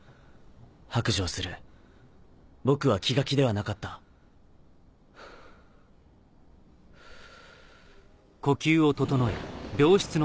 白状する僕は気が気ではなかったはぁふぅ。